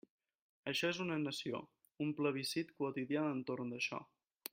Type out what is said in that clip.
Això és una nació, un plebiscit quotidià entorn d'això.